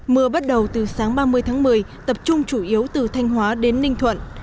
mưa bắt đầu từ sáng ba mươi tháng một mươi tập trung chủ yếu từ thanh hóa đến ninh thuận